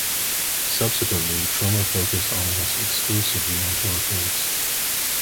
Subsequently, Troma focused almost exclusively on horror films.